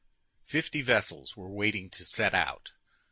Fifty vessels were waiting to set out.